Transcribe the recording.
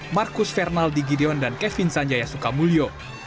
marcus fernaldi gideon dan kevin sanjayasukamulyo